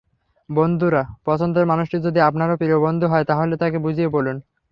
বন্ধুর পছন্দের মানুষটি যদি আপনারও প্রিয় বন্ধু হয়, তাহলে তাঁকে বুঝিয়ে বলুন।